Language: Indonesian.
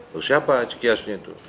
loh siapa cekiasnya itu